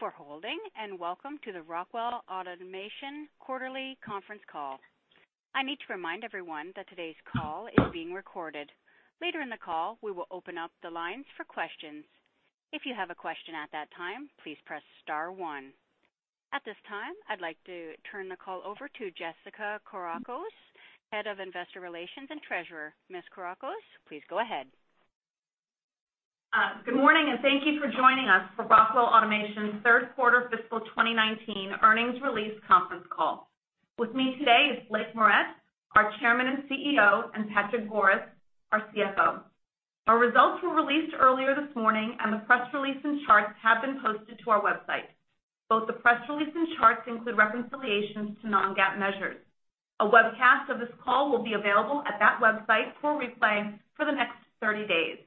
Thank you for holding. Welcome to the Rockwell Automation quarterly conference call. I need to remind everyone that today's call is being recorded. Later in the call, we will open up the lines for questions. If you have a question at that time, please press star one. At this time, I'd like to turn the call over to Jessica Kourakos, Head of Investor Relations and Treasurer. Ms. Kourakos, please go ahead. Good morning, and thank you for joining us for Rockwell Automation's third quarter fiscal 2019 earnings release conference call. With me today is Blake Moret, our Chairman and CEO, and Patrick Goris, our CFO. Our results were released earlier this morning, and the press release and charts have been posted to our website. Both the press release and charts include reconciliations to non-GAAP measures. A webcast of this call will be available at that website for replay for the next 30 days.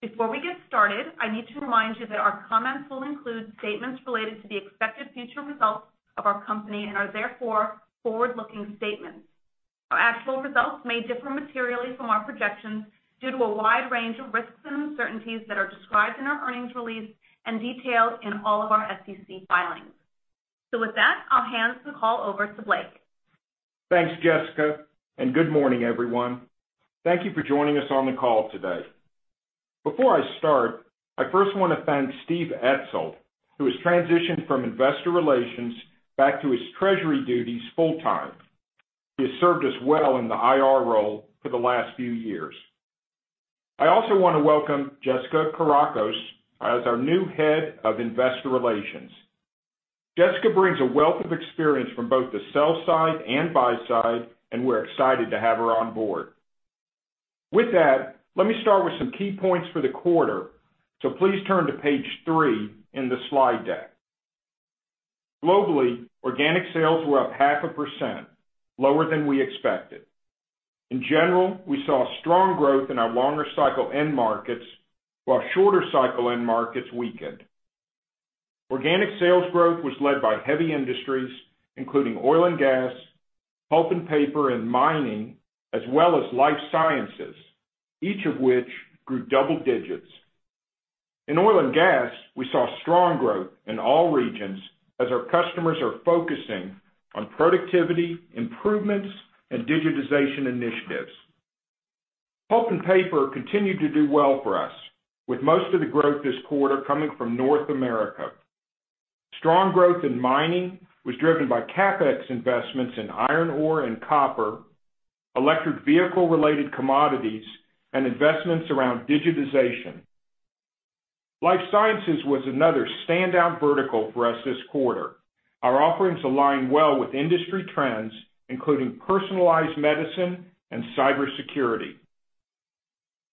Before we get started, I need to remind you that our comments will include statements related to the expected future results of our company and are therefore forward-looking statements. Our actual results may differ materially from our projections due to a wide range of risks and uncertainties that are described in our earnings release and detailed in all of our SEC filings. With that, I'll hand the call over to Blake. Thanks, Jessica. Good morning, everyone. Thank you for joining us on the call today. Before I start, I first want to thank Steve Etzel, who has transitioned from investor relations back to his treasury duties full-time. He has served us well in the IR role for the last few years. I also want to welcome Jessica Kourakos as our new Head of Investor Relations. Jessica brings a wealth of experience from both the sell side and buy side, and we're excited to have her on board. With that, let me start with some key points for the quarter, so please turn to page three in the slide deck. Globally, organic sales were up half a percent, lower than we expected. In general, we saw strong growth in our longer cycle end markets, while shorter cycle end markets weakened. Organic sales growth was led by heavy industries, including oil and gas, pulp and paper, and mining, as well as life sciences, each of which grew double digits. In oil and gas, we saw strong growth in all regions as our customers are focusing on productivity improvements and digitization initiatives. Pulp and paper continued to do well for us, with most of the growth this quarter coming from North America. Strong growth in mining was driven by CapEx investments in iron ore and copper, electric vehicle-related commodities, and investments around digitization. Life sciences was another standout vertical for us this quarter. Our offerings align well with industry trends, including personalized medicine and cybersecurity.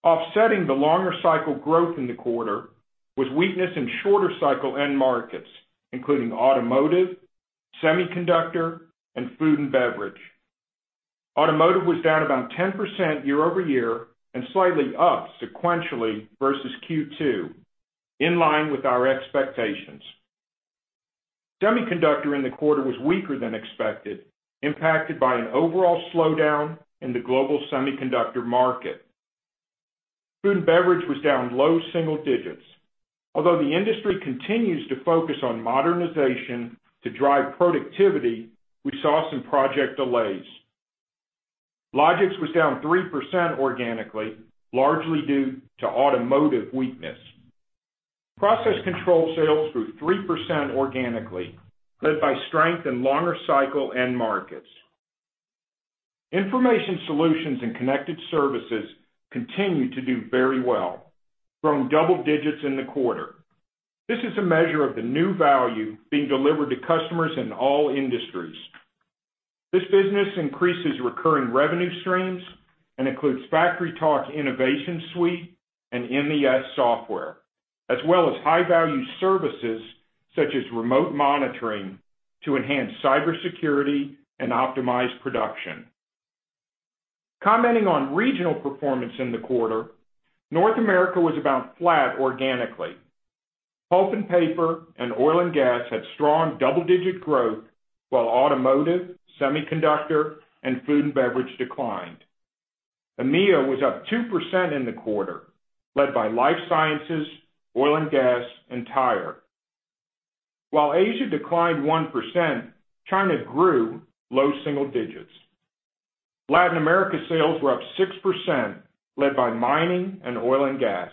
Offsetting the longer cycle growth in the quarter was weakness in shorter cycle end markets, including automotive, semiconductor, and food and beverage. Automotive was down about 10% year-over-year and slightly up sequentially versus Q2, in line with our expectations. Semiconductor in the quarter was weaker than expected, impacted by an overall slowdown in the global semiconductor market. Food and beverage was down low single digits. Although the industry continues to focus on modernization to drive productivity, we saw some project delays. Logix was down 3% organically, largely due to automotive weakness. Process control sales grew 3% organically, led by strength in longer cycle end markets. Information solutions and connected services continued to do very well, growing double digits in the quarter. This is a measure of the new value being delivered to customers in all industries. This business increases recurring revenue streams and includes FactoryTalk InnovationSuite and MES Software, as well as high-value services such as remote monitoring to enhance cybersecurity and optimize production. Commenting on regional performance in the quarter, North America was about flat organically. Pulp and paper and oil and gas had strong double-digit growth, while automotive, semiconductor, and food and beverage declined. EMEIA was up 2% in the quarter, led by life sciences, oil and gas, and tire. While Asia declined 1%, China grew low single digits. Latin America sales were up 6%, led by mining and oil and gas.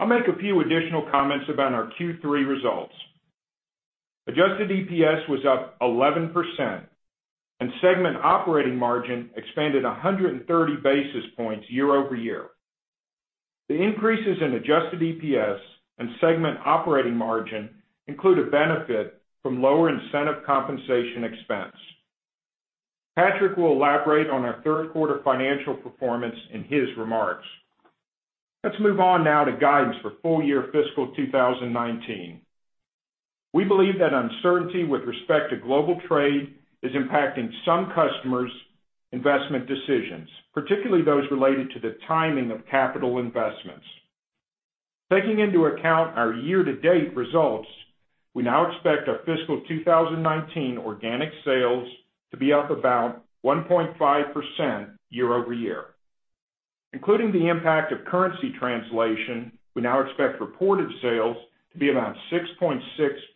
I'll make a few additional comments about our Q3 results. Adjusted EPS was up 11%, and segment operating margin expanded 130 basis points year-over-year. The increases in adjusted EPS and segment operating margin include a benefit from lower incentive compensation expense. Patrick will elaborate on our third quarter financial performance in his remarks. Let's move on now to guidance for full year fiscal 2019. We believe that uncertainty with respect to global trade is impacting some customers' investment decisions, particularly those related to the timing of capital investments. Taking into account our year-to-date results, we now expect our fiscal 2019 organic sales to be up about 1.5% year-over-year. Including the impact of currency translation, we now expect reported sales to be about $6.6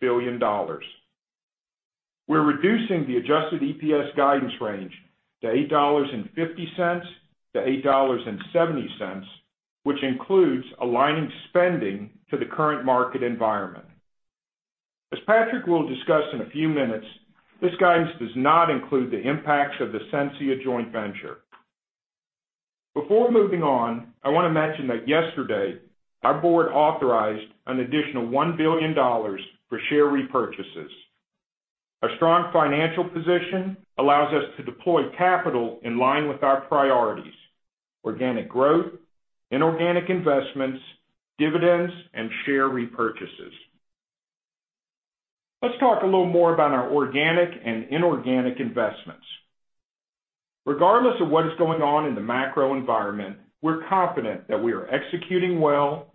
billion. We're reducing the adjusted EPS guidance range to $8.50 to $8.70, which includes aligning spending to the current market environment. As Patrick will discuss in a few minutes, this guidance does not include the impacts of the Sensia joint venture. Before moving on, I want to mention that yesterday, our board authorized an additional $1 billion for share repurchases. Our strong financial position allows us to deploy capital in line with our priorities: organic growth, inorganic investments, dividends, and share repurchases. Let's talk a little more about our organic and inorganic investments. Regardless of what is going on in the macro environment, we're confident that we are executing well,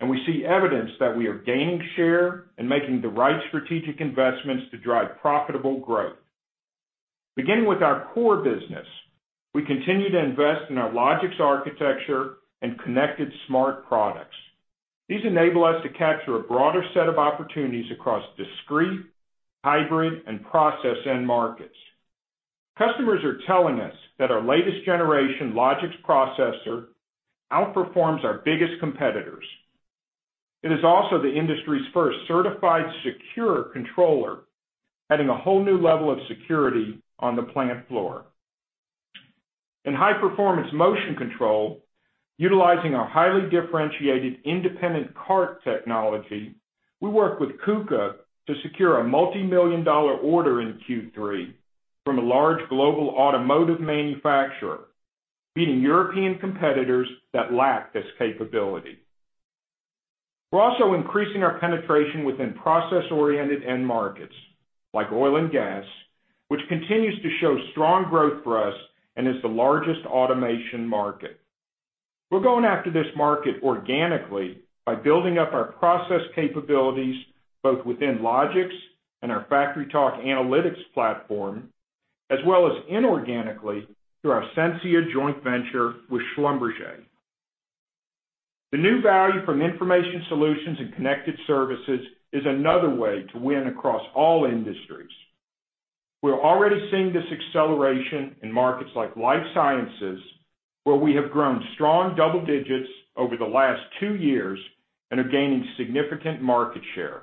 and we see evidence that we are gaining share and making the right strategic investments to drive profitable growth. Beginning with our core business, we continue to invest in our Logix architecture and connected smart products. These enable us to capture a broader set of opportunities across discrete, hybrid, and process end markets. Customers are telling us that our latest generation Logix processor outperforms our biggest competitors. It is also the industry's first certified secure controller, adding a whole new level of security on the plant floor. In high-performance motion control, utilizing our highly differentiated independent cart technology, we worked with KUKA to secure a multimillion-dollar order in Q3 from a large global automotive manufacturer, beating European competitors that lack this capability. We're also increasing our penetration within process-oriented end markets, like oil and gas, which continues to show strong growth for us and is the largest automation market. We're going after this market organically by building up our process capabilities, both within Logix and our FactoryTalk Analytics platform, as well as inorganically through our Sensia joint venture with Schlumberger. The new value from information solutions and connected services is another way to win across all industries. We're already seeing this acceleration in markets like life sciences, where we have grown strong double digits over the last two years and are gaining significant market share.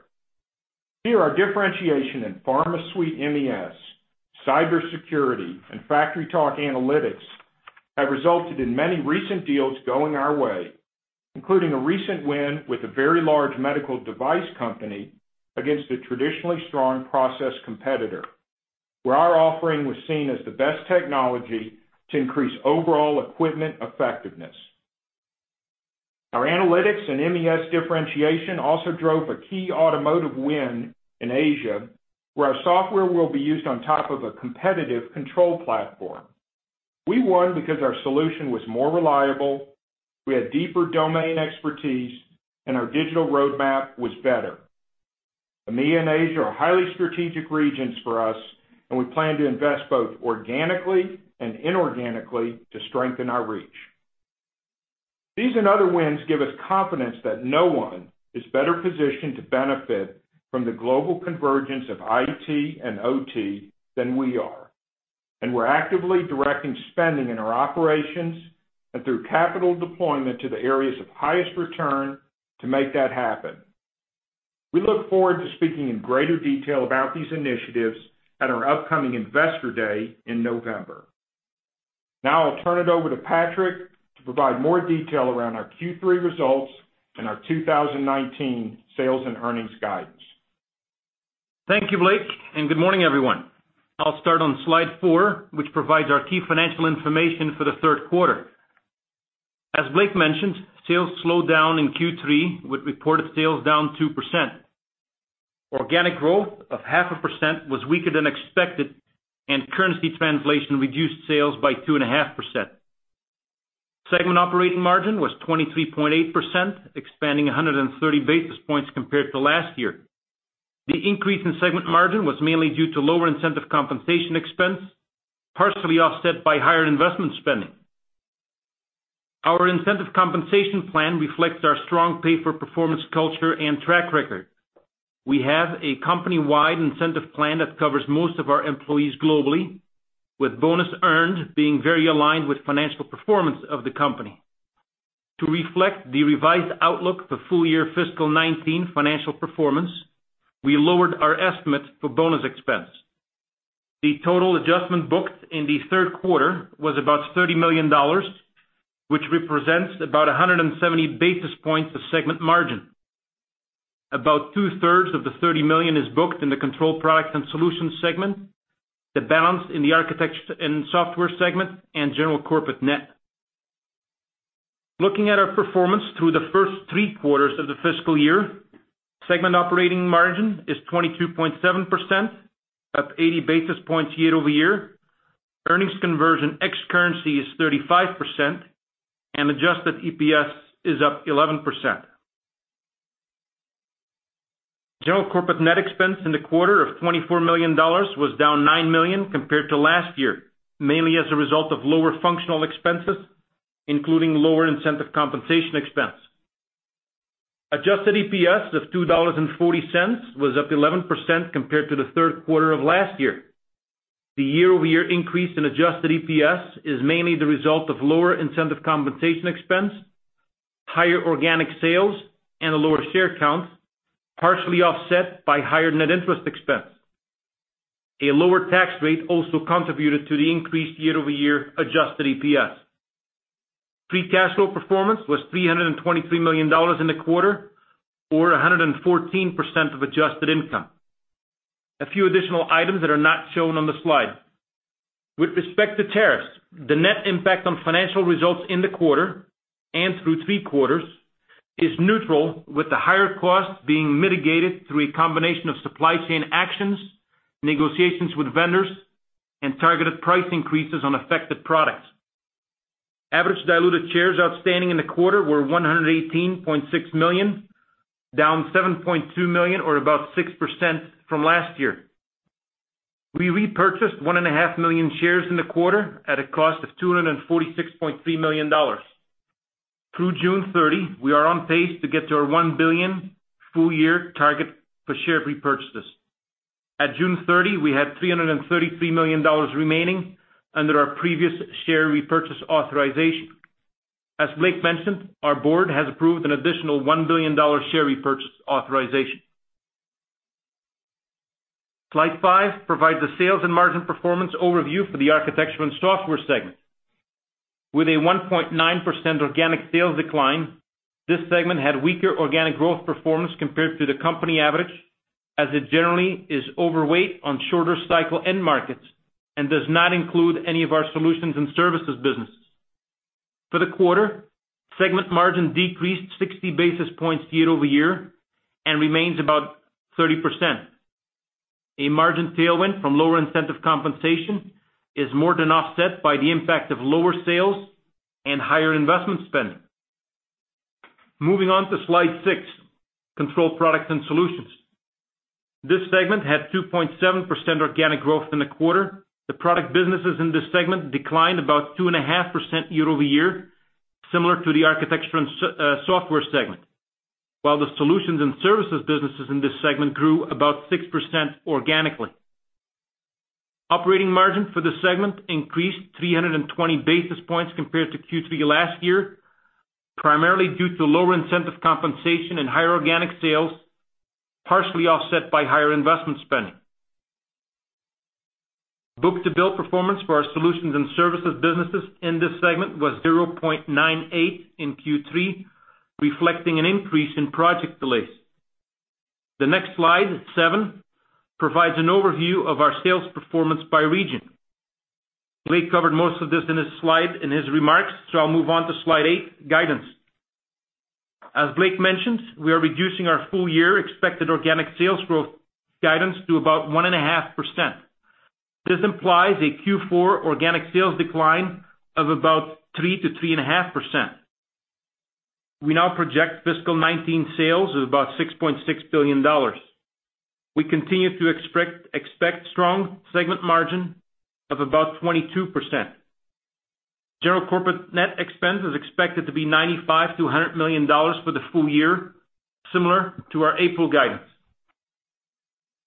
Here, our differentiation in PharmaSuite MES, cybersecurity, and FactoryTalk Analytics have resulted in many recent deals going our way, including a recent win with a very large medical device company against a traditionally strong process competitor, where our offering was seen as the best technology to increase overall equipment effectiveness. Our analytics and MES differentiation also drove a key automotive win in Asia, where our software will be used on top of a competitive control platform. We won because our solution was more reliable, we had deeper domain expertise, and our digital roadmap was better. EMEA and Asia are highly strategic regions for us, and we plan to invest both organically and inorganically to strengthen our reach. These and other wins give us confidence that no one is better positioned to benefit from the global convergence of IT and OT than we are. We're actively directing spending in our operations and through capital deployment to the areas of highest return to make that happen. We look forward to speaking in greater detail about these initiatives at our upcoming Investor Day in November. Now, I'll turn it over to Patrick to provide more detail around our Q3 results and our 2019 sales and earnings guidance. Thank you, Blake, and good morning, everyone. I'll start on slide four, which provides our key financial information for the third quarter. As Blake mentioned, sales slowed down in Q3 with reported sales down 2%. Organic growth of 0.5% was weaker than expected, and currency translation reduced sales by 2.5%. Segment operating margin was 23.8%, expanding 130 basis points compared to last year. The increase in segment margin was mainly due to lower incentive compensation expense, partially offset by higher investment spending. Our incentive compensation plan reflects our strong pay-for-performance culture and track record. We have a company-wide incentive plan that covers most of our employees globally, with bonus earned being very aligned with financial performance of the company. To reflect the revised outlook for full year fiscal 2019 financial performance, we lowered our estimate for bonus expense. The total adjustment booked in the third quarter was about $30 million, which represents about 170 basis points of segment margin. About two-thirds of the $30 million is booked in the Control Products & Solutions segment, the balance in the Architecture & Software segment, and General Corporate – Net. Looking at our performance through the first three quarters of the fiscal year, segment operating margin is 22.7%, up 80 basis points year-over-year. Earnings conversion ex currency is 35%, and adjusted EPS is up 11%. General Corporate – Net expense in the quarter of $24 million was down $9 million compared to last year, mainly as a result of lower functional expenses, including lower incentive compensation expense. Adjusted EPS of $2.40 was up 11% compared to the third quarter of last year. The year-over-year increase in adjusted EPS is mainly the result of lower incentive compensation expense, higher organic sales, and a lower share count, partially offset by higher net interest expense. A lower tax rate also contributed to the increased year-over-year adjusted EPS. Free cash flow performance was $323 million in the quarter, or 114% of adjusted income. A few additional items that are not shown on the slide. With respect to tariffs, the net impact on financial results in the quarter and through three quarters is neutral, with the higher cost being mitigated through a combination of supply chain actions, negotiations with vendors, and targeted price increases on affected products. Average diluted shares outstanding in the quarter were 118.6 million, down 7.2 million or about 6% from last year. We repurchased 1.5 million shares in the quarter at a cost of $246.3 million. Through June 30, we are on pace to get to our $1 billion full-year target for share repurchases. At June 30, we had $333 million remaining under our previous share repurchase authorization. As Blake mentioned, our board has approved an additional $1 billion share repurchase authorization. Slide five provides a sales and margin performance overview for the Architecture & Software segment. With a 1.9% organic sales decline, this segment had weaker organic growth performance compared to the company average, as it generally is overweight on shorter cycle end markets and does not include any of our solutions and services businesses. For the quarter, segment margin decreased 60 basis points year-over-year and remains about 30%. A margin tailwind from lower incentive compensation is more than offset by the impact of lower sales and higher investment spend. Moving on to Slide six, Control Products & Solutions. This segment had 2.7% organic growth in the quarter. The product businesses in this segment declined about 2.5% year-over-year, similar to the Architecture & Software segment, while the solutions and services businesses in this segment grew about 6% organically. Operating margin for this segment increased 320 basis points compared to Q3 last year, primarily due to lower incentive compensation and higher organic sales, partially offset by higher investment spending. Book-to-bill performance for our solutions and services businesses in this segment was 0.98 in Q3, reflecting an increase in project delays. The next slide, seven, provides an overview of our sales performance by region. Blake covered most of this in his remarks, so I'll move on to slide eight, guidance. As Blake mentioned, we are reducing our full-year expected organic sales growth guidance to about 1.5%. This implies a Q4 organic sales decline of about 3%-3.5%. We now project fiscal 2019 sales of about $6.6 billion. We continue to expect strong segment margin of about 22%. General Corporate – Net expense is expected to be $95 million-$100 million for the full year, similar to our April guidance.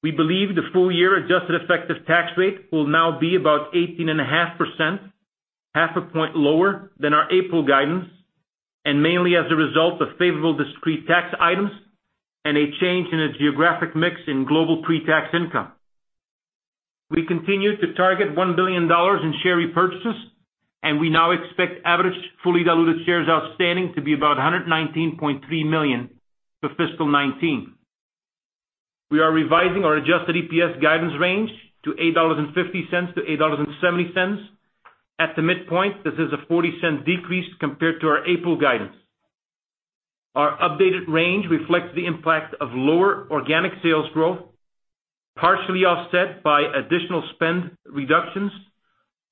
We believe the full-year adjusted effective tax rate will now be about 18.5%, half a point lower than our April guidance, and mainly as a result of favorable discrete tax items and a change in the geographic mix in global pre-tax income. We continue to target $1 billion in share repurchases, and we now expect average fully diluted shares outstanding to be about 119.3 million for fiscal 2019. We are revising our adjusted EPS guidance range to $8.50-$8.70. At the midpoint, this is a $0.40 decrease compared to our April guidance. Our updated range reflects the impact of lower organic sales growth, partially offset by additional spend reductions,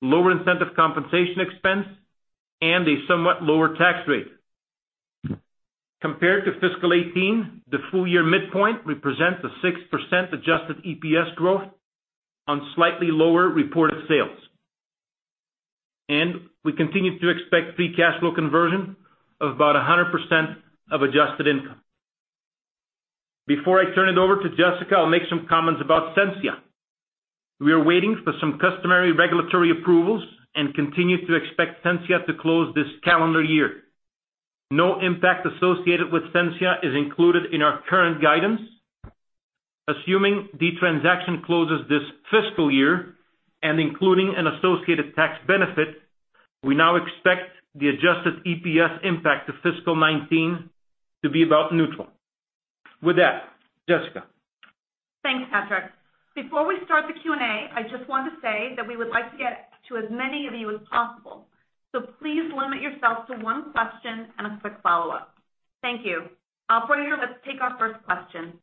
lower incentive compensation expense, and a somewhat lower tax rate. Compared to fiscal 2018, the full-year midpoint represents a 6% adjusted EPS growth on slightly lower reported sales. We continue to expect free cash flow conversion of about 100% of adjusted income. Before I turn it over to Jessica, I'll make some comments about Sensia. We are waiting for some customary regulatory approvals and continue to expect Sensia to close this calendar year. No impact associated with Sensia is included in our current guidance. Assuming the transaction closes this fiscal year and including an associated tax benefit, we now expect the adjusted EPS impact to fiscal 2019 to be about neutral. With that, Jessica. Thanks, Patrick. Before we start the Q&A, I just want to say that we would like to get to as many of you as possible, so please limit yourself to one question and a quick follow-up. Thank you. Operator, let's take our first question.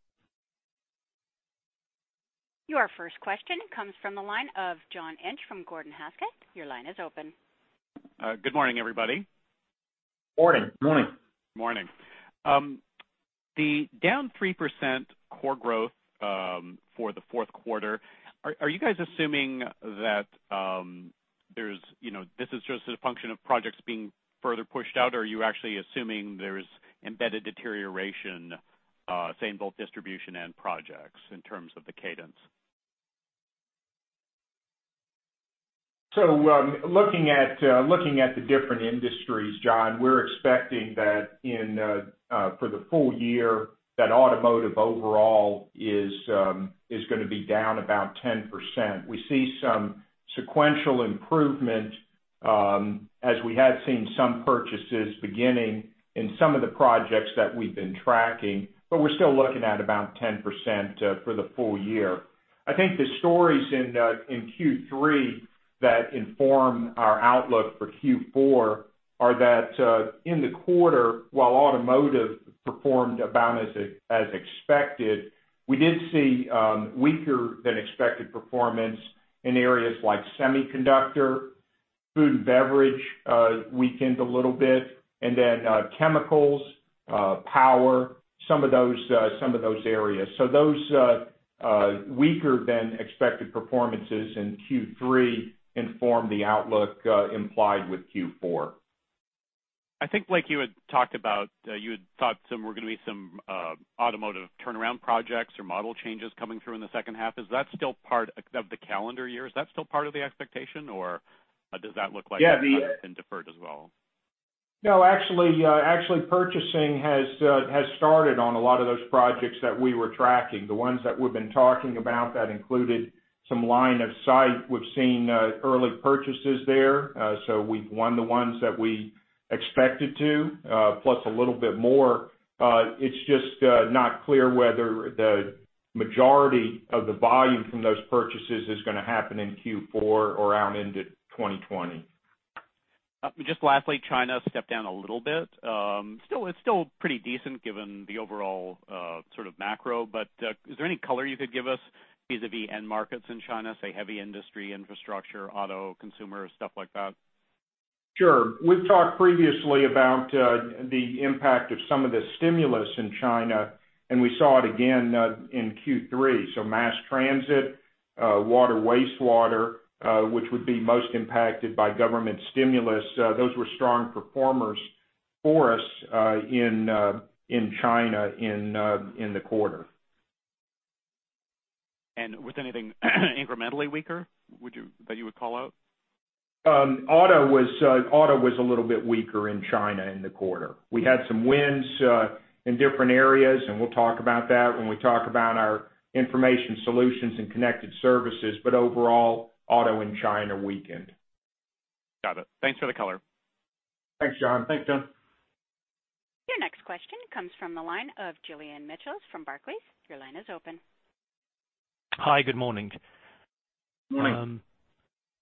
Your first question comes from the line of John Inch from Gordon Haskett. Your line is open. Good morning, everybody. Morning. Morning. Morning. The down 3% core growth for the fourth quarter, are you guys assuming that this is just a function of projects being further pushed out, or are you actually assuming there's embedded deterioration, say, in both distribution and projects in terms of the cadence? Looking at the different industries, John, we're expecting that for the full year, that automotive overall is going to be down about 10%. We see some sequential improvement as we have seen some purchases beginning in some of the projects that we've been tracking, but we're still looking at about 10% for the full year. I think the stories in Q3 that inform our outlook for Q4 are that in the quarter, while automotive performed about as expected, we did see weaker than expected performance in areas like semiconductor, food and beverage weakened a little bit, and then chemicals, power, some of those areas. Those weaker than expected performances in Q3 inform the outlook implied with Q4. I think, Blake, you had talked about there were going to be some automotive turnaround projects or model changes coming through in the second half of the calendar year. Is that still part of the expectation, or does that look like? Yeah. that has been deferred as well? No, actually, purchasing has started on a lot of those projects that we were tracking. The ones that we've been talking about, that included some line of sight. We've seen early purchases there. We've won the ones that we expected to, plus a little bit more. It's just not clear whether the majority of the volume from those purchases is going to happen in Q4 or out into 2020. Just lastly, China stepped down a little bit. It's still pretty decent given the overall sort of macro, is there any color you could give us vis-à-vis end markets in China, say, heavy industry, infrastructure, auto, consumer, stuff like that? Sure. We've talked previously about the impact of some of the stimulus in China. We saw it again in Q3. Mass transit, water, wastewater, which would be most impacted by government stimulus, those were strong performers for us in China in the quarter. Was anything incrementally weaker that you would call out? Auto was a little bit weaker in China in the quarter. We had some wins in different areas, and we'll talk about that when we talk about our information solutions and connected services. Overall, auto in China weakened. Got it. Thanks for the color. Thanks, John. Thanks, John. Your next question comes from the line of Julian Mitchell from Barclays. Your line is open. Hi, good morning. Morning.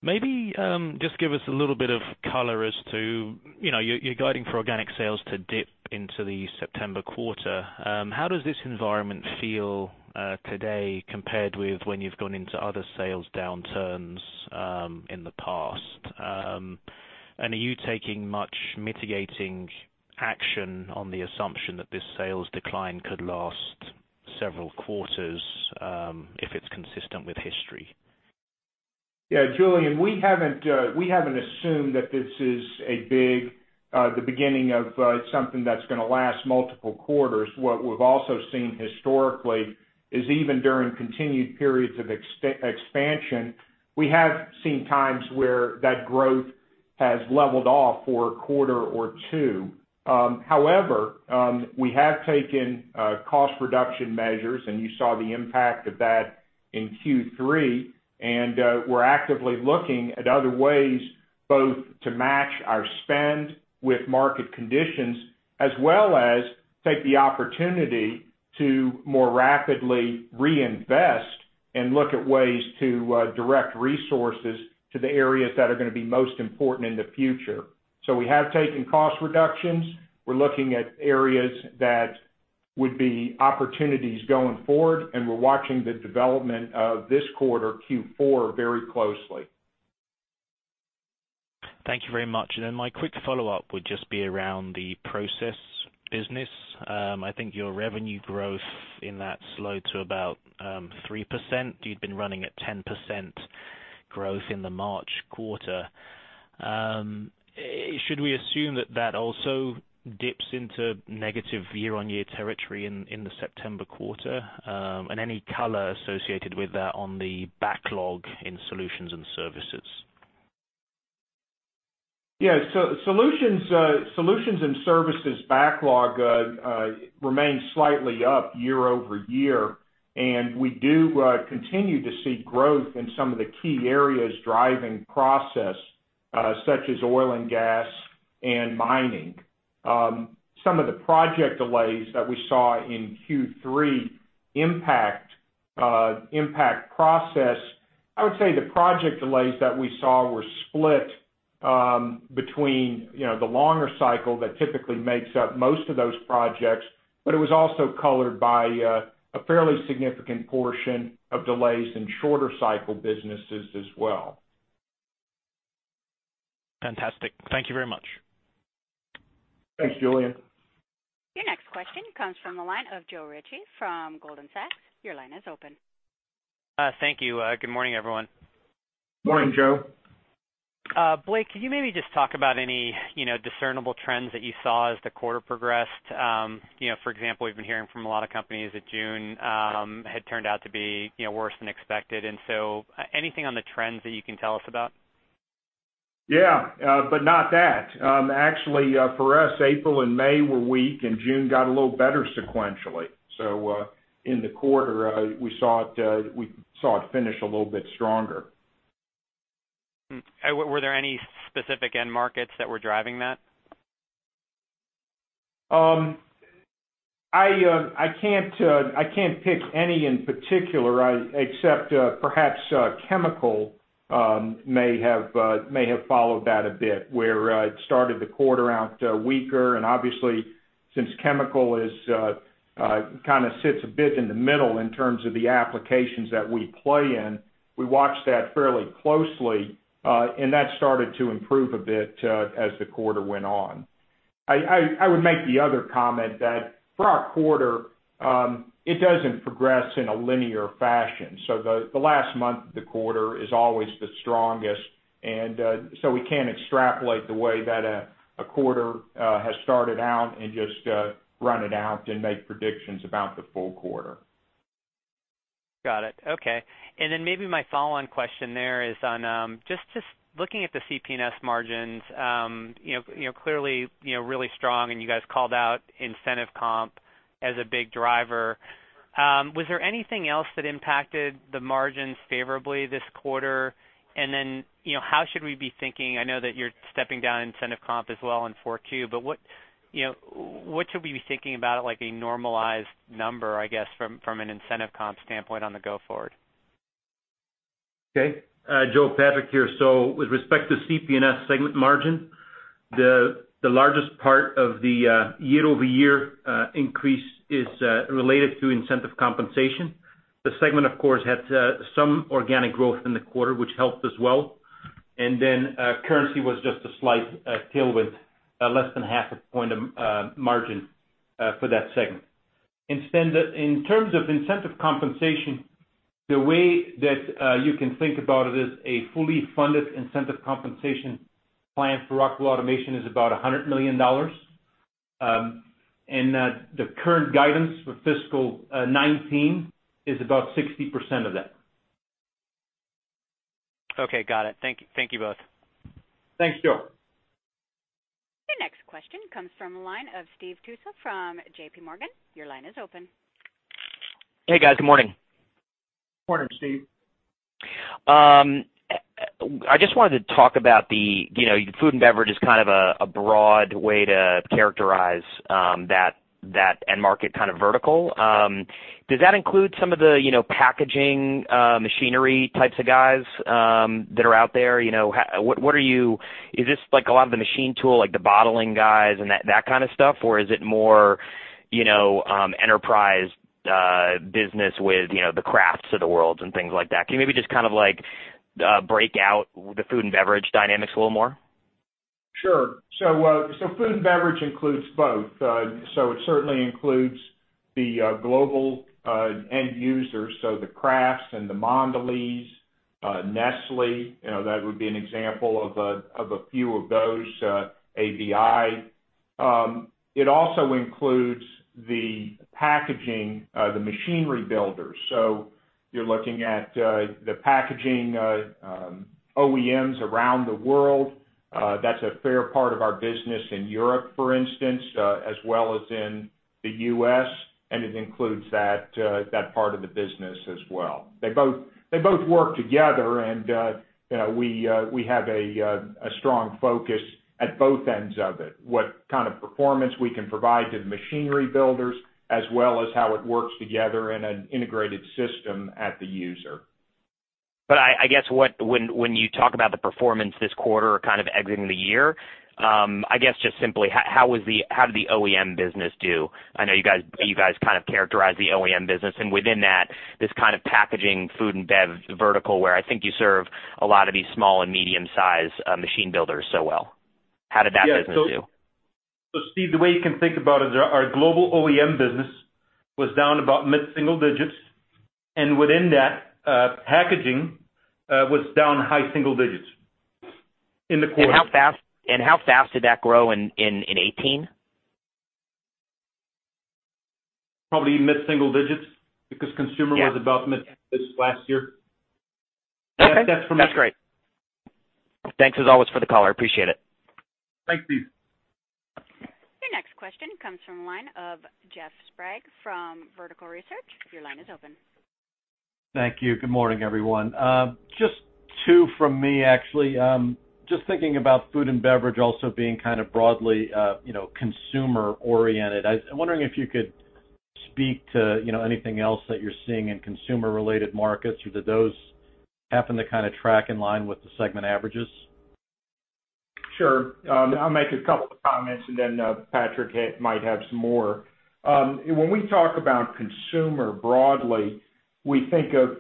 Maybe just give us a little bit of color as to, you're guiding for organic sales to dip into the September quarter. How does this environment feel today compared with when you've gone into other sales downturns in the past? Are you taking much mitigating action on the assumption that this sales decline could last several quarters, if it's consistent with history? Julian, we haven't assumed that this is the beginning of something that's going to last multiple quarters. What we've also seen historically is even during continued periods of expansion, we have seen times where that growth has leveled off for a quarter or two. We have taken cost reduction measures, and you saw the impact of that in Q3, and we're actively looking at other ways, both to match our spend with market conditions, as well as take the opportunity to more rapidly reinvest and look at ways to direct resources to the areas that are going to be most important in the future. We have taken cost reductions. We're looking at areas that would be opportunities going forward, and we're watching the development of this quarter, Q4, very closely. Thank you very much. My quick follow-up would just be around the process business. I think your revenue growth in that slowed to about 3%. You'd been running at 10% growth in the March quarter. Should we assume that that also dips into negative year-on-year territory in the September quarter? Any color associated with that on the backlog in solutions and services? Yeah. Solutions and services backlog remains slightly up year-over-year, and we do continue to see growth in some of the key areas driving process, such as oil and gas and mining. Some of the project delays that we saw in Q3 impact process. I would say the project delays that we saw were split between the longer cycle that typically makes up most of those projects, but it was also colored by a fairly significant portion of delays in shorter cycle businesses as well. Fantastic. Thank you very much. Thanks, Julian. Your next question comes from the line of Joe Ritchie from Goldman Sachs. Your line is open. Thank you. Good morning, everyone. Morning, Joe. Blake, could you maybe just talk about any discernible trends that you saw as the quarter progressed? For example, we've been hearing from a lot of companies that June had turned out to be worse than expected, anything on the trends that you can tell us about? Yeah. Not that. Actually, for us, April and May were weak, and June got a little better sequentially. In the quarter, we saw it finish a little bit stronger. Were there any specific end markets that were driving that? I can't pick any in particular, except perhaps Chemical may have followed that a bit, where it started the quarter out weaker, and obviously since Chemical kind of sits a bit in the middle in terms of the applications that we play in, we watch that fairly closely. That started to improve a bit as the quarter went on. I would make the other comment that for our quarter, it doesn't progress in a linear fashion. The last month of the quarter is always the strongest, and so we can't extrapolate the way that a quarter has started out and just run it out and make predictions about the full quarter. Got it. Okay. Maybe my follow-on question there is on just looking at the CP&S margins, clearly really strong and you guys called out incentive comp as a big driver. Was there anything else that impacted the margins favorably this quarter? How should we be thinking, I know that you're stepping down incentive comp as well in 4Q, but what should we be thinking about, like a normalized number, I guess, from an incentive comp standpoint on the go forward? Joe, Patrick here. With respect to CP&S segment margin, the largest part of the year-over-year increase is related to incentive compensation. The segment, of course, had some organic growth in the quarter, which helped as well. Currency was just a slight tailwind, less than half a point of margin for that segment. In terms of incentive compensation, the way that you can think about it is a fully funded incentive compensation plan for Rockwell Automation is about $100 million. The current guidance for fiscal 2019 is about 60% of that. Okay. Got it. Thank you both. Thanks, Joe. Your next question comes from the line of Steve Tusa from JPMorgan. Your line is open. Hey, guys. Good morning. Morning, Steve. I just wanted to talk about the food and beverage is kind of a broad way to characterize that end market kind of vertical. Does that include some of the packaging machinery types of guys that are out there? Is this like a lot of the machine tool, like the bottling guys and that kind of stuff, or is it more enterprise business with the Krafts of the world and things like that? Can you maybe just kind of break out the food and beverage dynamics a little more? Sure. Food and beverage includes both. It certainly includes the global end users, the Kraft and the Mondelēz, Nestlé, that would be an example of a few of those, ABI. It also includes the packaging, the machinery builders. You're looking at the packaging OEMs around the world. That's a fair part of our business in Europe, for instance, as well as in the U.S., and it includes that part of the business as well. They both work together, and we have a strong focus at both ends of it. What kind of performance we can provide to the machinery builders, as well as how it works together in an integrated system at the user. I guess when you talk about the performance this quarter kind of exiting the year, I guess just simply how did the OEM business do? I know you guys kind of characterized the OEM business, and within that, this kind of packaging food and bev vertical, where I think you serve a lot of these small and medium-sized machine builders so well. How did that business do? Steve, the way you can think about it, our global OEM business was down about mid-single digits, and within that, packaging was down high single digits in the quarter. How fast did that grow in 2018? Probably mid-single digits because consumer was about mid digits last year. Okay. That's for me. That's great. Thanks as always for the call. I appreciate it. Thanks, Steve. Your next question comes from the line of Jeff Sprague from Vertical Research. Your line is open. Thank you. Good morning, everyone. Just two from me, actually. Just thinking about food and beverage also being kind of broadly consumer oriented. I'm wondering if you could speak to anything else that you're seeing in consumer-related markets, or do those happen to track in line with the segment averages? Sure. I'll make a couple of comments, and then Patrick might have some more. We talk about consumer broadly, we think of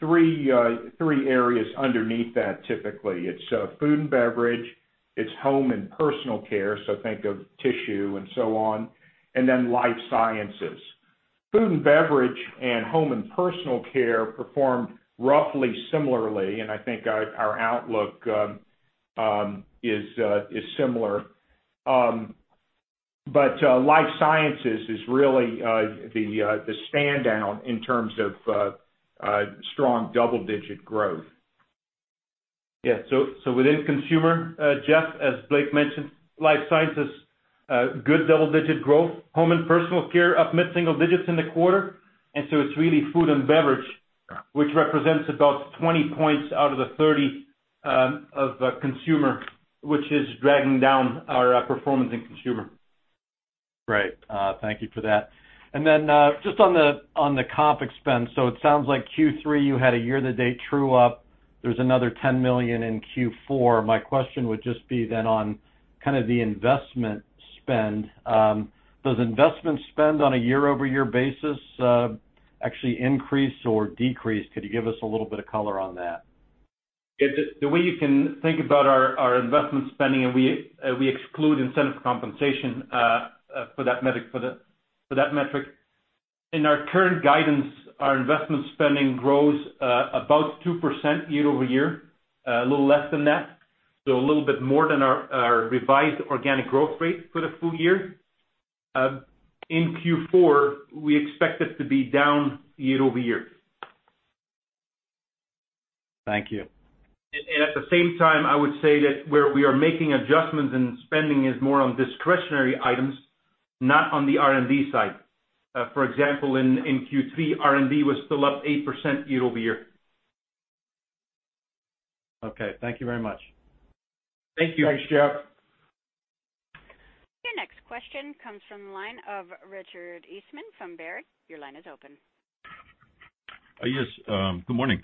three areas underneath that, typically. It's food and beverage, it's home and personal care, so think of tissue and so on, and then life sciences. Food and beverage and home and personal care performed roughly similarly, and I think our outlook is similar. Life sciences is really the stand out in terms of strong double-digit growth. Yeah. Within consumer, Jeff, as Blake mentioned, life sciences, good double-digit growth. Home and personal care, up mid-single digits in the quarter. It's really food and beverage. Yeah which represents about 20 points out of the 30 of consumer, which is dragging down our performance in consumer. Great. Thank you for that. Just on the comp expense, it sounds like Q3 you had a year-to-date true up. There's another $10 million in Q4. My question would just be on kind of the investment spend. Does investment spend on a year-over-year basis actually increase or decrease? Could you give us a little bit of color on that? The way you can think about our investment spending, and we exclude incentive compensation for that metric. In our current guidance, our investment spending grows about 2% year-over-year, a little less than that. A little bit more than our revised organic growth rate for the full year. In Q4, we expect it to be down year-over-year. Thank you. At the same time, I would say that where we are making adjustments in spending is more on discretionary items, not on the R&D side. For example, in Q3, R&D was still up 8% year-over-year. Okay. Thank you very much. Thank you. Thanks, Jeff. Your next question comes from the line of Richard Eastman from Baird. Your line is open. Yes. Good morning.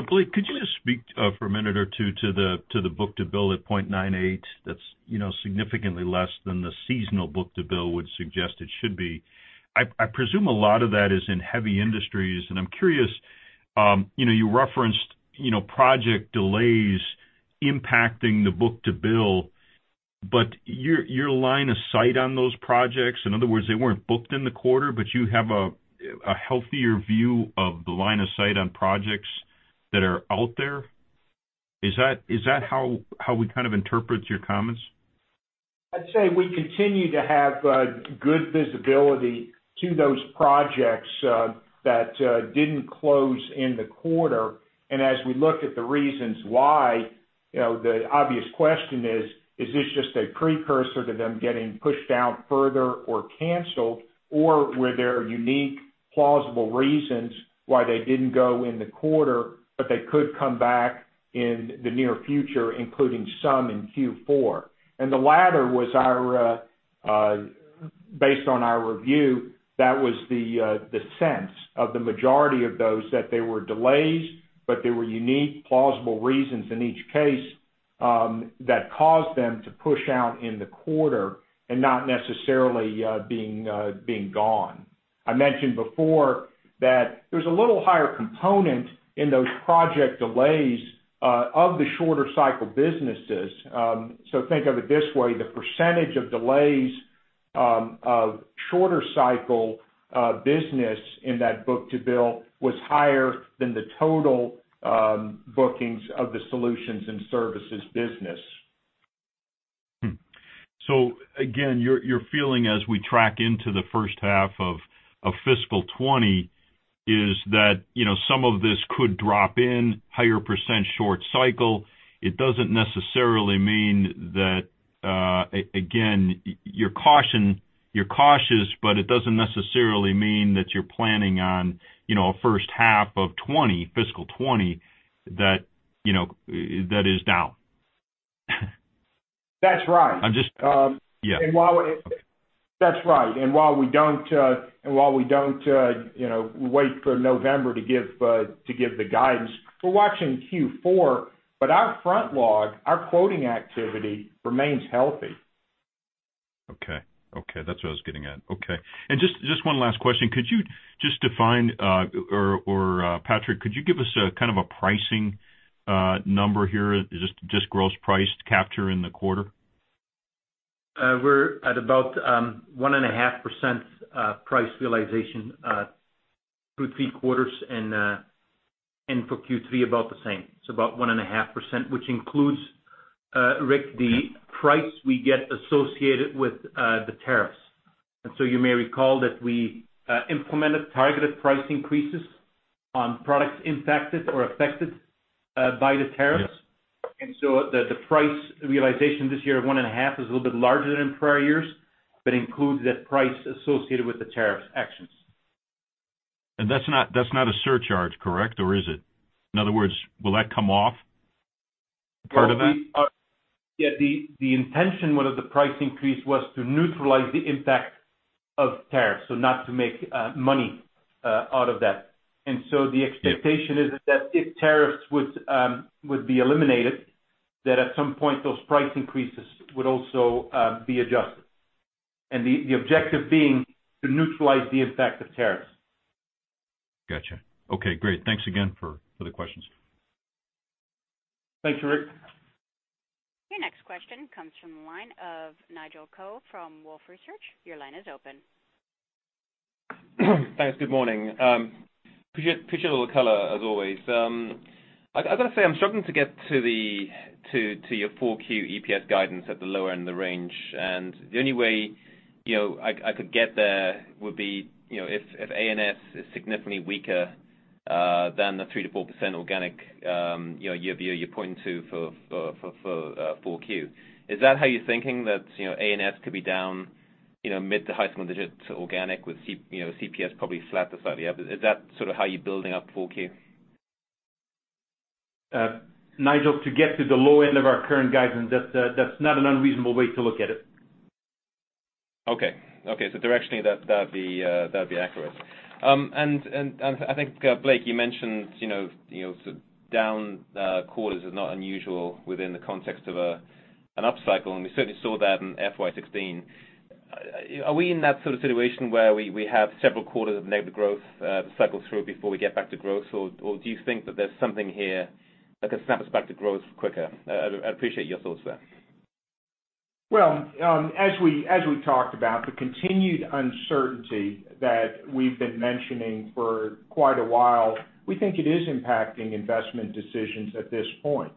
Blake, could you just speak for a minute or two to the book-to-bill at 0.98? That's significantly less than the seasonal book-to-bill would suggest it should be. I presume a lot of that is in heavy industries, and I'm curious, you referenced project delays impacting the book-to-bill, but your line of sight on those projects, in other words, they weren't booked in the quarter, but you have a healthier view of the line of sight on projects that are out there. Is that how we kind of interpret your comments? I'd say we continue to have good visibility to those projects that didn't close in the quarter. As we look at the reasons why, the obvious question is: Is this just a precursor to them getting pushed out further or canceled, or were there unique, plausible reasons why they didn't go in the quarter, but they could come back in the near future, including some in Q4? The latter was, based on our review, that was the sense of the majority of those, that they were delays, but there were unique, plausible reasons in each case that caused them to push out in the quarter and not necessarily being gone. I mentioned before that there's a little higher component in those project delays of the shorter cycle businesses. Think of it this way, the percentage of delays of shorter cycle business in that book-to-bill was higher than the total bookings of the solutions and services business. Again, you're feeling as we track into the first half of fiscal 2020 is that some of this could drop in, higher % short cycle. It doesn't necessarily mean that, again, you're cautious, but it doesn't necessarily mean that you're planning on a first half of fiscal 2020 that is down. That's right. I'm. Yeah. Okay. That's right. While we don't wait for November to give the guidance, we're watching Q4, our backlog, our quoting activity remains healthy. Okay. That's what I was getting at. Okay. Just one last question. Could you just define or Patrick Goris, could you give us a kind of a pricing number here, just gross price capture in the quarter? We're at about 1.5% price realization through three quarters. For Q3, about the same. It's about 1.5%, which includes, Rick, the price we get associated with the tariffs. You may recall that we implemented targeted price increases on products impacted or affected by the tariffs. Yeah. The price realization this year of 1.5% is a little bit larger than in prior years, but includes that price associated with the tariff actions. That's not a surcharge, correct? Is it? In other words, will that come off, part of that? Yeah. The intention with the price increase was to neutralize the impact of tariffs, so not to make money out of that. The expectation is that if tariffs would be eliminated, that at some point those price increases would also be adjusted, and the objective being to neutralize the impact of tariffs. Gotcha. Okay, great. Thanks again for the questions. Thanks, Rick. Your next question comes from the line of Nigel Coe from Wolfe Research. Your line is open. Thanks. Good morning. Appreciate all the color as always. I've got to say, I'm struggling to get to your full Q EPS guidance at the lower end of the range. The only way I could get there would be if A&S is significantly weaker than the 3%-4% organic year-over-year you're pointing to for 4Q. Is that how you're thinking that A&S could be down mid to high single digits organic with CP&S probably flat to slightly up? Is that sort of how you're building up 4Q? Nigel, to get to the low end of our current guidance, that's not an unreasonable way to look at it. Okay. Directionally, that'd be accurate. I think, Blake, you mentioned down quarters is not unusual within the context of an up cycle, and we certainly saw that in FY 2016. Are we in that sort of situation where we have several quarters of negative growth to cycle through before we get back to growth? Do you think that there's something here that could snap us back to growth quicker? I'd appreciate your thoughts there. Well, as we talked about, the continued uncertainty that we've been mentioning for quite a while, we think it is impacting investment decisions at this point.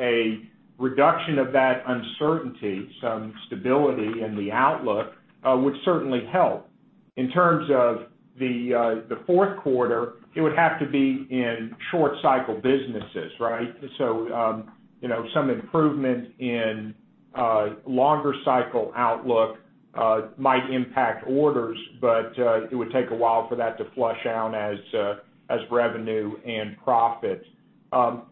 A reduction of that uncertainty, some stability in the outlook, would certainly help. In terms of the fourth quarter, it would have to be in short cycle businesses, right? Some improvement in longer cycle outlook might impact orders, but it would take a while for that to flush out as revenue and profit.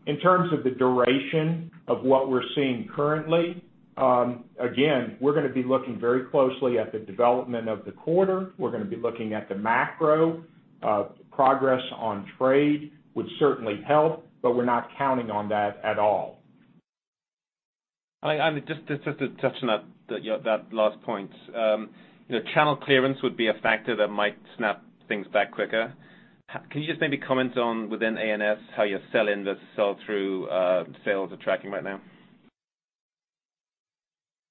In terms of the duration of what we're seeing currently, again, we're going to be looking very closely at the development of the quarter. We're going to be looking at the macro. Progress on trade would certainly help, but we're not counting on that at all. Just touching on that last point. Channel clearance would be a factor that might snap things back quicker. Can you just maybe comment on within A&S, how your sell-in versus sell-through sales are tracking right now?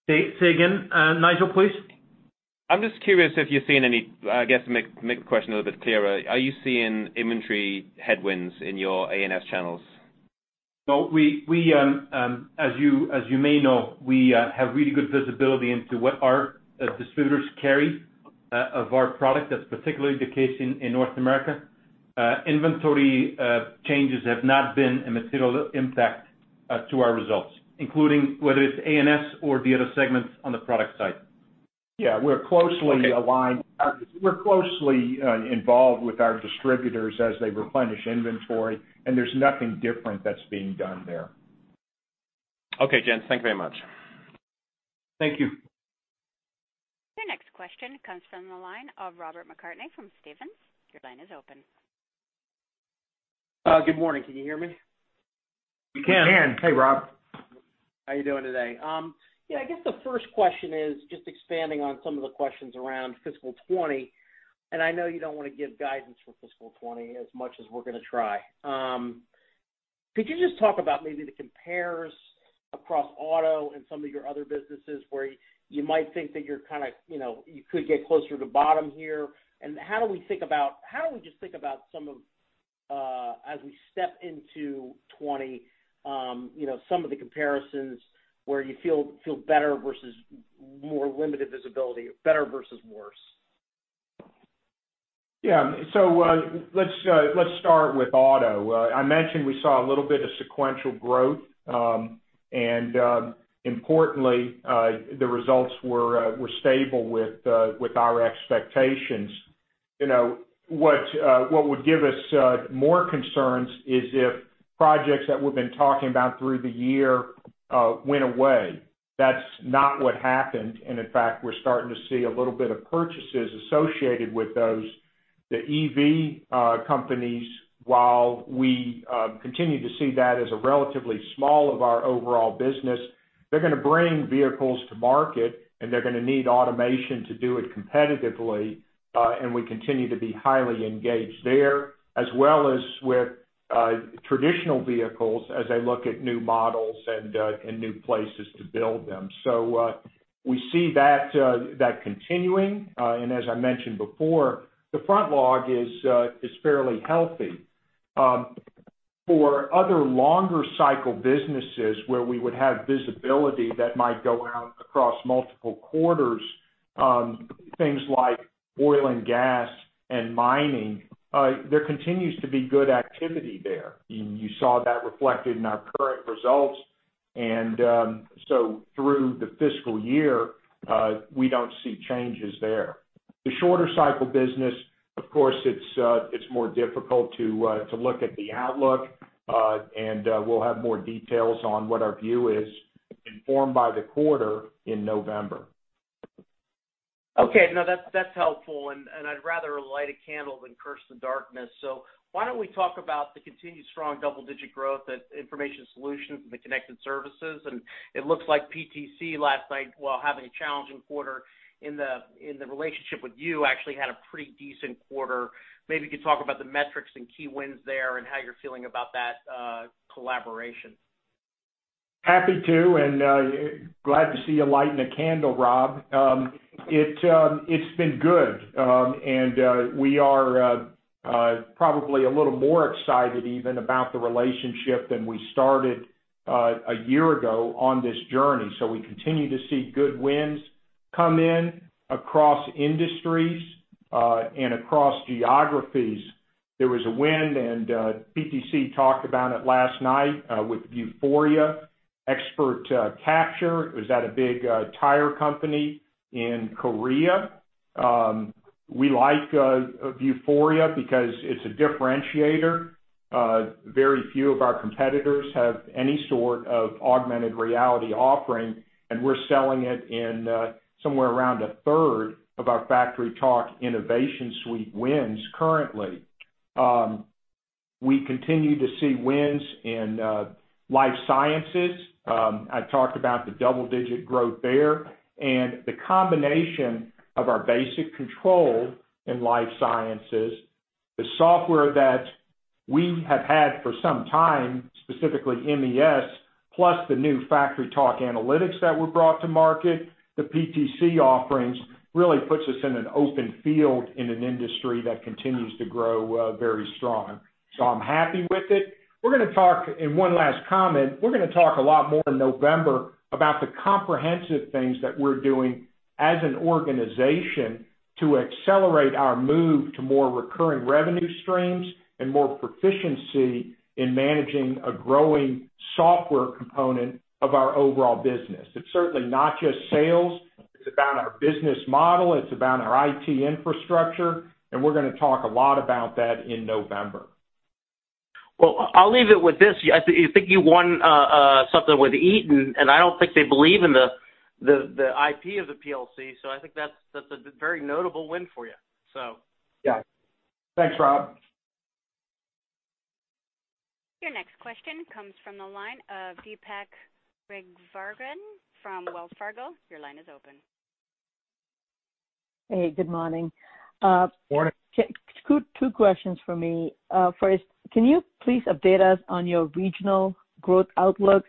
Say again, Nigel, please. I'm just curious if you're seeing, I guess, to make the question a little bit clearer, are you seeing inventory headwinds in your A&S channels? No. As you may know, we have really good visibility into what our distributors carry of our product. That's particularly the case in North America. Inventory changes have not been a material impact to our results, including whether it's A&S or the other segments on the product side. Yeah, we're closely aligned. We're closely involved with our distributors as they replenish inventory, and there's nothing different that's being done there. Okay, gents. Thank you very much. Thank you. Your next question comes from the line of Robert McCarthy from Stephens. Your line is open. Good morning. Can you hear me? We can. We can. Hey, Rob. How you doing today? Yeah, I guess the first question is just expanding on some of the questions around fiscal 2020. I know you don't want to give guidance for fiscal 2020 as much as we're going to try. Could you just talk about maybe the compares across auto and some of your other businesses where you might think that you could get closer to bottom here? How do we just think about some of, as we step into 2020, some of the comparisons where you feel better versus more limited visibility, or better versus worse? Let's start with auto. I mentioned we saw a little bit of sequential growth, and importantly, the results were stable with our expectations. What would give us more concerns is if projects that we've been talking about through the year went away. That's not what happened. In fact, we're starting to see a little bit of purchases associated with those. The EV companies, while we continue to see that as a relatively small of our overall business, they're going to bring vehicles to market, and they're going to need automation to do it competitively. We continue to be highly engaged there, as well as with traditional vehicles as they look at new models and new places to build them. We see that continuing. As I mentioned before, the front log is fairly healthy. For other longer cycle businesses where we would have visibility that might go out across multiple quarters, things like oil and gas and mining, there continues to be good activity there. You saw that reflected in our current results. Through the fiscal year, we don't see changes there. The shorter cycle business, of course, it's more difficult to look at the outlook, and we'll have more details on what our view is informed by the quarter in November. Okay. No, that's helpful, and I'd rather light a candle than curse the darkness. Why don't we talk about the continued strong double-digit growth at Information Solutions and the Connected Services? It looks like PTC last night, while having a challenging quarter, in the relationship with you, actually had a pretty decent quarter. Maybe you could talk about the metrics and key wins there and how you're feeling about that collaboration. Happy to, glad to see you lighting a candle, Rob. It's been good. We are probably a little more excited even about the relationship than we started a year ago on this journey. We continue to see good wins come in across industries, and across geographies. There was a win, PTC talked about it last night, with Vuforia Expert Capture. It was at a big tire company in Korea. We like Vuforia because it's a differentiator. Very few of our competitors have any sort of augmented reality offering, and we're selling it in somewhere around a third of our FactoryTalk InnovationSuite wins currently. We continue to see wins in life sciences. I talked about the double-digit growth there. The combination of our basic control in life sciences, the software that we have had for some time, specifically MES, plus the new FactoryTalk Analytics that were brought to market, the PTC offerings, really puts us in an open field in an industry that continues to grow very strong. I'm happy with it. One last comment. We're going to talk a lot more in November about the comprehensive things that we're doing as an organization to accelerate our move to more recurring revenue streams and more proficiency in managing a growing software component of our overall business. It's certainly not just sales. It's about our business model. It's about our IT infrastructure, and we're going to talk a lot about that in November. Well, I'll leave it with this. I think you won something with Eaton, and I don't think they believe in the IP of the PLC. I think that's a very notable win for you. Yeah. Thanks, Rob. Your next question comes from the line of Deepa Raghavan from Wells Fargo. Your line is open. Hey, good morning. Morning. Two questions from me. First, can you please update us on your regional growth outlook?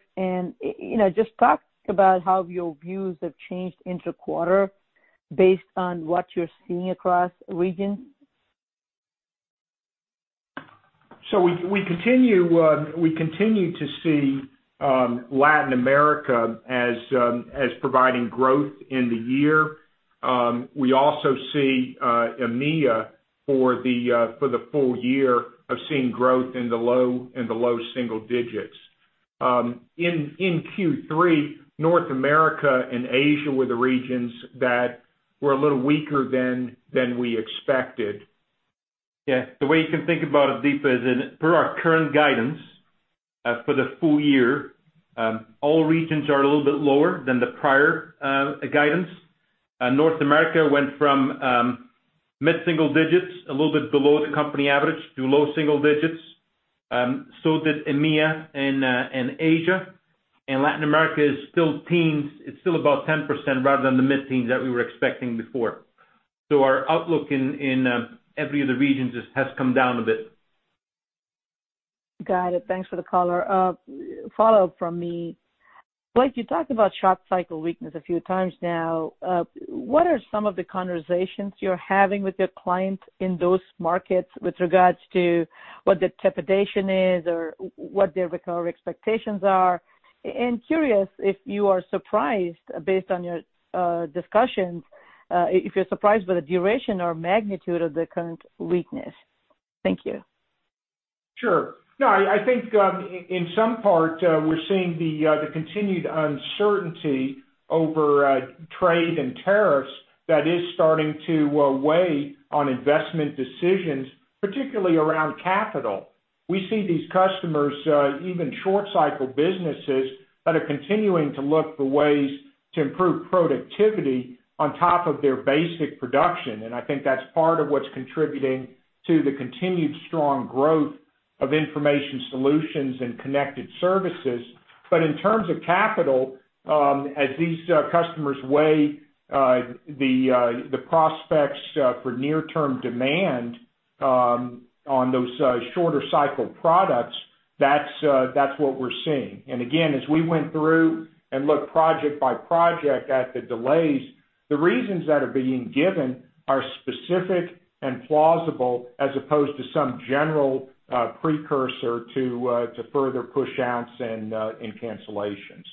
Just talk about how your views have changed inter-quarter based on what you're seeing across regions. We continue to see Latin America as providing growth in the year. We also see EMEA for the full year of seeing growth in the low single digits. In Q3, North America and Asia were the regions that were a little weaker than we expected. Yeah. The way you can think about it, Deepa, is in per our current guidance for the full year, all regions are a little bit lower than the prior guidance. North America went from mid-single digits, a little bit below the company average to low single digits. So did EMEA and Asia. Latin America is still about 10% rather than the mid-teens that we were expecting before. Our outlook in every other region has come down a bit. Got it. Thanks for the color. Follow-up from me. Blake, you talked about shop cycle weakness a few times now. What are some of the conversations you're having with your clients in those markets with regards to what the trepidation is or what their recovery expectations are? Curious if you are surprised based on your discussions, if you're surprised by the duration or magnitude of the current weakness. Thank you. Sure. No, I think in some part, we're seeing the continued uncertainty over trade and tariffs that is starting to weigh on investment decisions, particularly around capital. We see these customers, even short cycle businesses, that are continuing to look for ways to improve productivity on top of their basic production. I think that's part of what's contributing to the continued strong growth of Information Solutions and Connected Services. In terms of capital, as these customers weigh the prospects for near-term demand on those shorter cycle products, that's what we're seeing. Again, as we went through and looked project by project at the delays, the reasons that are being given are specific and plausible as opposed to some general precursor to further push outs and cancellations.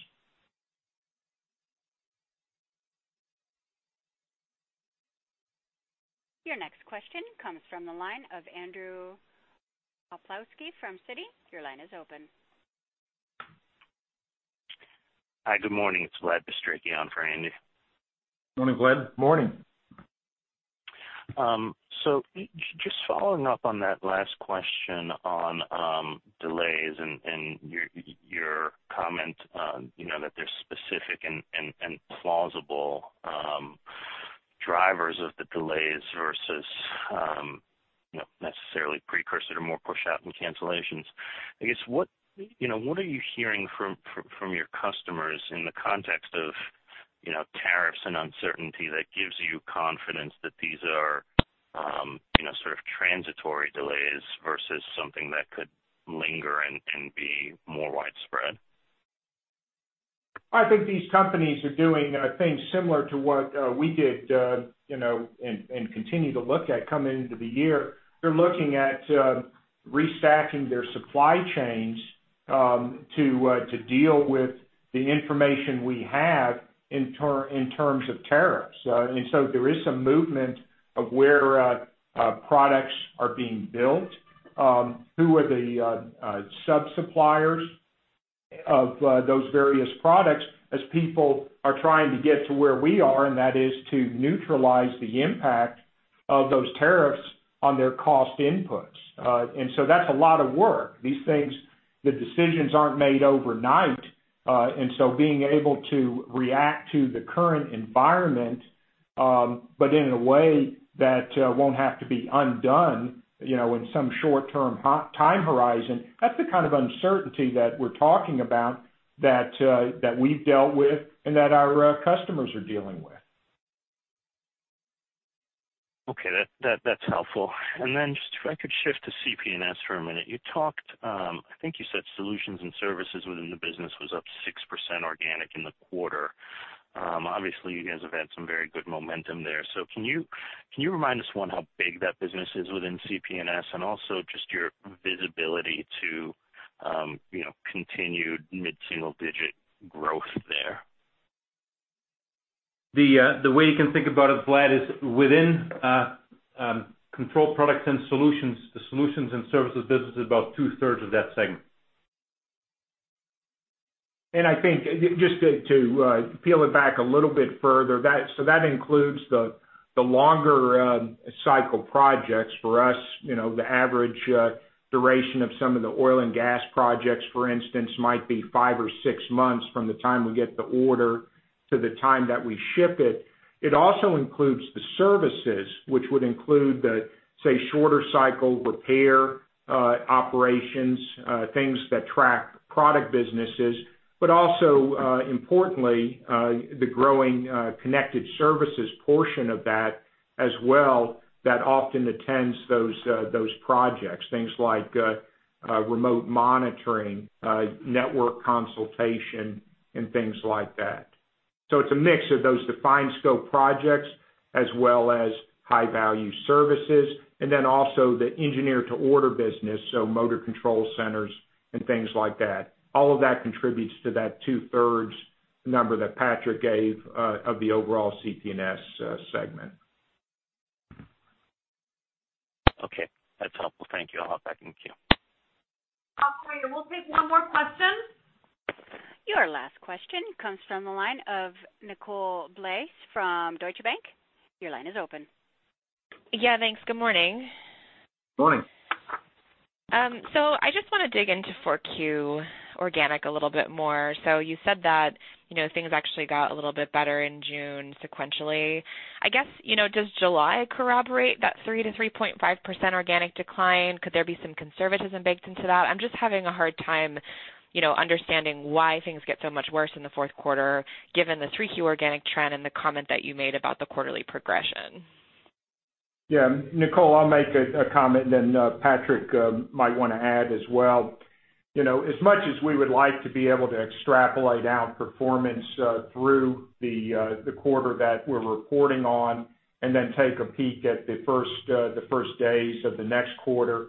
Your next question comes from the line of Andrew Kaplowitz from Citi. Your line is open. Hi, good morning. It's Vlad Bistrici on for Andy. Morning, Vlad. Morning. Just following up on that last question on delays and your comment that there's specific and plausible drivers of the delays versus necessarily precursor to more pushout and cancellations. I guess, what are you hearing from your customers in the context of tariffs and uncertainty that gives you confidence that these are sort of transitory delays versus something that could linger and be more widespread? I think these companies are doing things similar to what we did, and continue to look at coming into the year. They're looking at restacking their supply chains, to deal with the information we have in terms of tariffs. There is some movement of where products are being built, who are the sub-suppliers of those various products as people are trying to get to where we are, and that is to neutralize the impact of those tariffs on their cost inputs. That's a lot of work. These things, the decisions aren't made overnight. Being able to react to the current environment, but in a way that won't have to be undone in some short-term time horizon, that's the kind of uncertainty that we're talking about that we've dealt with and that our customers are dealing with. Okay. That's helpful. Just if I could shift to CP&S for a minute. You talked, I think you said solutions and services within the business was up 6% organic in the quarter. Obviously, you guys have had some very good momentum there. Can you remind us, one, how big that business is within CP&S, and also just your visibility to continued mid-single digit growth there? The way you can think about it, Vlad, is within Control Products & Solutions, the solutions and services business is about two-thirds of that segment. I think just to peel it back a little bit further, that includes the longer cycle projects for us. The average duration of some of the oil and gas projects, for instance, might be five or six months from the time we get the order to the time that we ship it. It also includes the services, which would include the, say, shorter cycle repair operations, things that track product businesses, but also, importantly, the growing connected services portion of that as well, that often attends those projects. Things like remote monitoring, network consultation, and things like that. It's a mix of those defined scope projects as well as high-value services, also the engineer to order business, motor control centers and things like that. All of that contributes to that two-thirds number that Patrick gave of the overall CP&S segment. Okay. That's helpful. Thank you. I'll hop back in queue. Operator, we'll take one more question. Your last question comes from the line of Nicole DeBlase from Deutsche Bank. Your line is open. Yeah, thanks. Good morning. Morning. I just want to dig into 4Q organic a little bit more. You said that things actually got a little bit better in June sequentially. I guess, does July corroborate that 3%-3.5% organic decline? Could there be some conservatism baked into that? I'm just having a hard time understanding why things get so much worse in the fourth quarter, given the 3Q organic trend and the comment that you made about the quarterly progression. Yeah. Nicole, I'll make a comment, then Patrick might want to add as well. As much as we would like to be able to extrapolate out performance through the quarter that we're reporting on and then take a peek at the first days of the next quarter,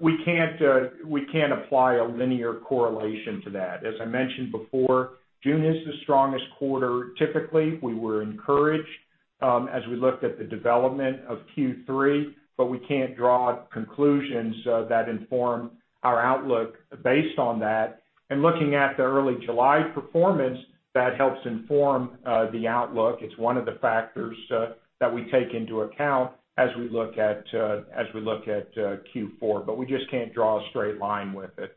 we can't apply a linear correlation to that. As I mentioned before, June is the strongest quarter, typically. We were encouraged as we looked at the development of Q3, but we can't draw conclusions that inform our outlook based on that. Looking at the early July performance, that helps inform the outlook. It's one of the factors that we take into account as we look at Q4, but we just can't draw a straight line with it.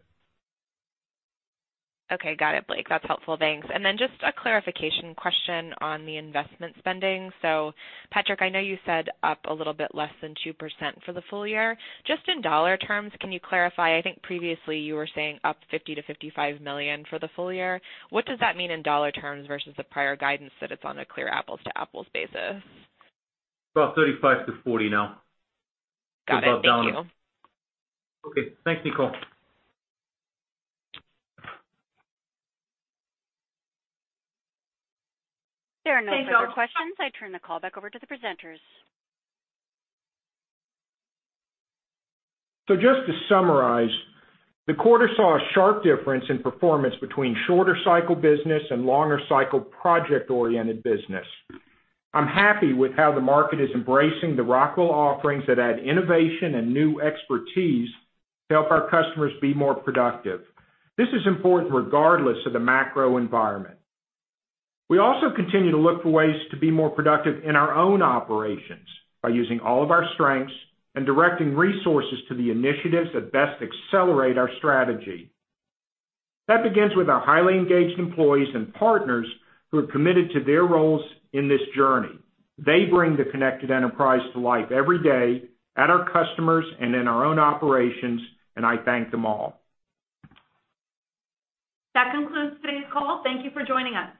Okay. Got it, Blake. That's helpful. Thanks. Then just a clarification question on the investment spending. Patrick, I know you said up a little bit less than 2% for the full year. Just in dollar terms, can you clarify, I think previously you were saying up $50 million-$55 million for the full year. What does that mean in dollar terms versus the prior guidance that it's on a clear apples-to-apples basis? About 35 to 40 now. Got it. Thank you. Okay. Thanks, Nicole. There are no further questions. I turn the call back over to the presenters. Just to summarize, the quarter saw a sharp difference in performance between shorter cycle business and longer cycle project-oriented business. I'm happy with how the Rockwell offerings that add innovation and new expertise to help our customers be more productive. This is important regardless of the macro environment. We also continue to look for ways to be more productive in our own operations by using all of our strengths and directing resources to the initiatives that best accelerate our strategy. That begins with our highly engaged employees and partners who are committed to their roles in this journey. They bring the Connected Enterprise to life every day at our customers and in our own operations, and I thank them all. That concludes today's call. Thank you for joining us.